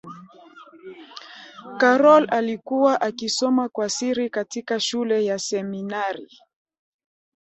karol alikuwa akisoma kwa siri katika shule ya seminari